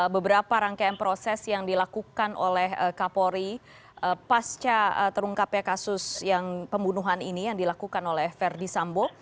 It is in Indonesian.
beberapa rangkaian proses yang dilakukan oleh kapolri pasca terungkapnya kasus yang pembunuhan ini yang dilakukan oleh verdi sambo